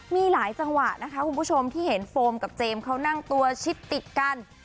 มีหลายจังหวะนะคะคุณผู้ชมที่เห็นโฟมกับเจมส์เขานั่งตัวชิดติดกัน